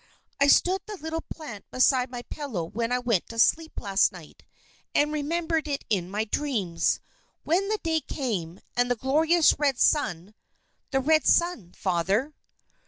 "I stood the little plant beside my pillow when I went to sleep last night, and remembered it in my dreams. When the day came, and the glorious red sun the red sun, Father?"